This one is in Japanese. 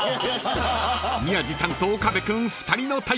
［宮治さんと岡部君２人の対決］